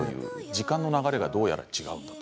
時間の流れがどうやら違う。